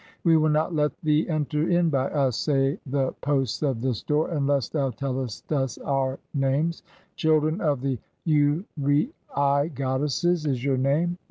'We will not let thee enter in by us,' say the "posts of this door, 'unless thou tellest us our names'; (32) " 'Children of the uraei goddesses' is your name.